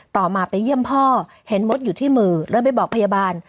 ต่อมาไปเยี่ยมพ่อเห็นมดอยู่ที่มือแล้วไปบอกพยาบาล